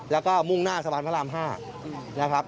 แล้วก็มุ่งหน้าสะพานพระราม๕นะครับ